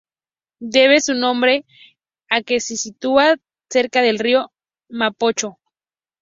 Debe su nombre a que se sitúa cerca del río Mapocho.